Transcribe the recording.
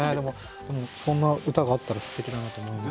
そんな歌があったらすてきだなと思います。